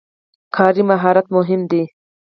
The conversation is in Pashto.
کاري مهارت مهم دی.